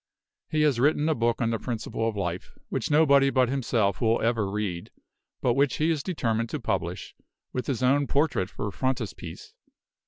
He has written a book on the principle of life, which nobody but himself will ever read; but which he is determined to publish, with his own portrait for frontispiece.